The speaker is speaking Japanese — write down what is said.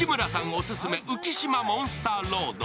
オススメ浮島モンスターロード。